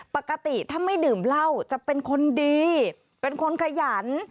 ปกติถ้าไม่ดื่มเหล้าจะเป็นคนดีเป็นคนขยัน